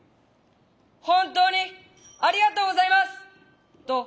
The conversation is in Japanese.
本当にありがとうございますと言いたい。